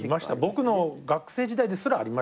僕の学生時代ですらありました。